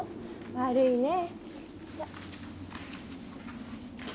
悪いね。